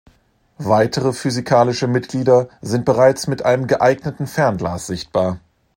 Weitere physikalische Mitglieder sind bereits mit einem geeigneten Fernglas sichtbar.